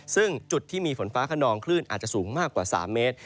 ซึ่งจุดที่มีฝนฟ้าขนองคลื่นอาจจะสูงมากกว่า๓เมตร